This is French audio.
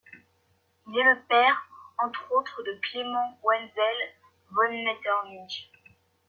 Il est le père, entre autres, de Klemens Wenzel von Metternich.